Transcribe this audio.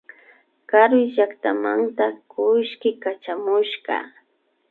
Karuy llaktamanta kullki kachamushka